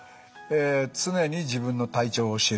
「常に自分の体調を知る」。